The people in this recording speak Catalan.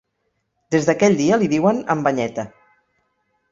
Des d'aquell dia li diuen En Banyeta.